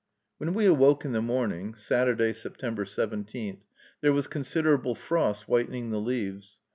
When we awoke in the morning (Saturday, September 17), there was considerable frost whitening the leaves.